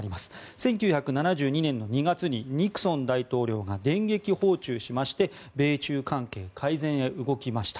１９７２年の２月にニクソン大統領が電撃訪中しまして米中関係改善へ動きました。